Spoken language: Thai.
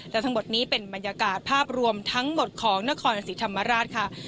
และทั้งหมดนี้เป็นบรรยากาศภาพรวมทั้งหมดของนครศรีธรรมราชค่ะ